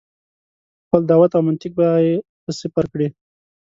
په خپل دعوت او منطق به یې ته صفر کړې.